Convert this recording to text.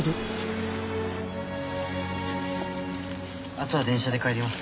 あとは電車で帰ります。